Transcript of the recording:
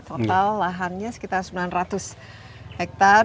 total lahannya sekitar sembilan ratus hektare